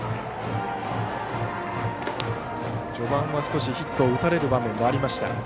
序盤は少しヒットを打たれる場面もありました。